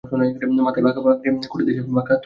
মাথায় বাঁকা পাগড়ি, কটিদেশে বাঁকা তলোয়ার।